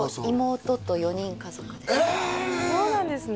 へえそうなんですね